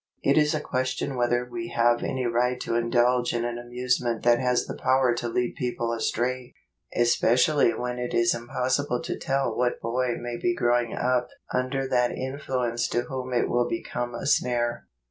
It is a question whether we have any right to indulge in an amusement that has the power to lead people astray, espe¬ cially when it is impossible to tell what boy may be growing up under that influence to whom it will become a snare.